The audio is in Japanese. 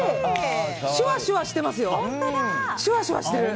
シュワシュワしてますよ。